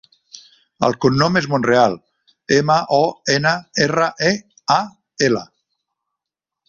El cognom és Monreal: ema, o, ena, erra, e, a, ela.